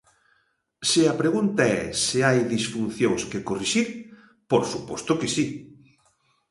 Se a pregunta é se hai disfuncións que corrixir, por suposto que si.